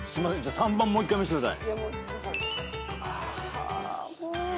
３番もう一回見せてください。